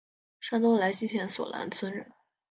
山东莱西县索兰村人。